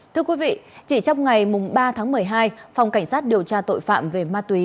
thưa quý vị chỉ trong ngày ba tháng một mươi hai phòng cảnh sát điều tra tội phạm về ma túy